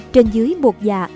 trên dưới buộc dạ